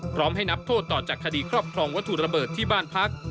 พร้อมให้นับโทษต่อจากคดีครอบครองวัตถุระเบิดที่บ้านพัก